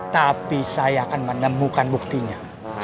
tapi saya akan menemukan buktinya